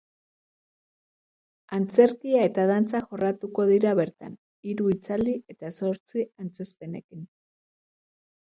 Antzerkia eta dantza jorratuko dira bertan, hiru hitzaldi eta zortzi antzezpenekin.